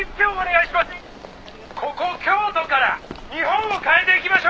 ここ京都から日本を変えていきましょう。